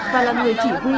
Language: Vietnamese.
và là người chỉ huy